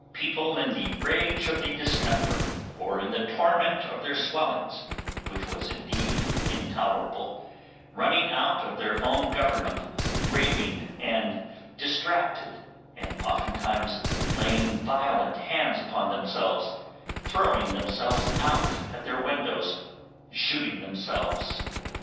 People in the rage of the distemper, or in the torment of their swellings, which was indeed intolerable, running out of their own government, raving and distracted, and oftentimes laying violent hands upon themselves, throwing themselves out at their windows, shooting themselves &c.